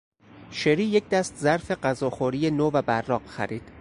شری یک دست ظرف غذاخوری نو و براق خرید.